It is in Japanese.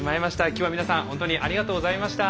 今日はみなさん本当にありがとうございました。